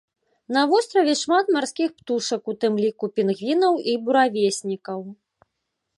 На востраве шмат марскіх птушак, у тым ліку пінгвінаў і буравеснікаў.